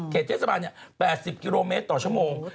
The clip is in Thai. เทศบาล๘๐กิโลเมตรต่อชั่วโมง